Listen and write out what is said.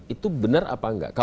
itu benar apa nggak